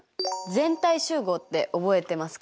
全体集合って覚えてますか？